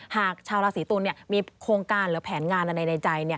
หากชาวราศีตุลมีโครงการหรือแผนงานอะไรในใจ